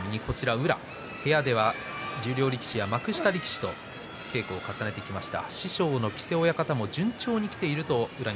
宇良は十両力士幕下力士と稽古を重ねてきました。